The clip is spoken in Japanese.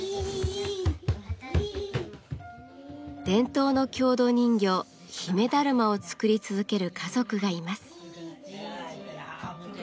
伝統の郷土人形姫だるまを作り続ける家族がいます。